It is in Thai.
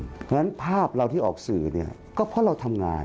เพราะฉะนั้นภาพเราที่ออกสื่อเนี่ยก็เพราะเราทำงาน